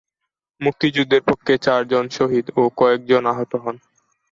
মুক্তিযোদ্ধাদের পক্ষে চারজন শহীদ ও কয়েকজন আহত হন।